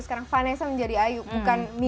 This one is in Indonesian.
sekarang vanessa menjadi ayu bukan mie